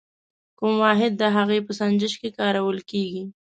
کوم واحد د هغې په سنجش کې کارول کیږي؟